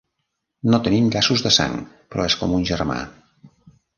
No tenim llaços de sang, però és com un germà.